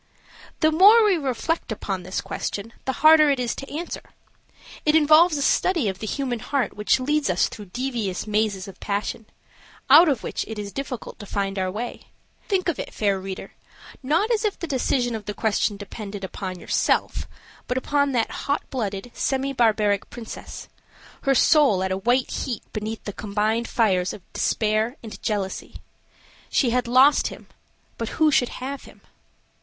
The more we reflect upon this question, the harder it is to answer. It involves a study of the human heart which leads us through devious mazes of passion, out of which it is difficult to find our way. Think of it, fair reader, not as if the decision of the question depended upon yourself, but upon that hot blooded, semi barbaric princess, her soul at a white heat beneath the combined fires of despair and jealousy. She had lost him, but who should have him?